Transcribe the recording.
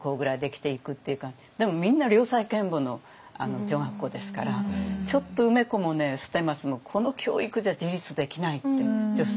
でもみんな良妻賢母の女学校ですからちょっと梅子も捨松もこの教育じゃ自立できないって女性が。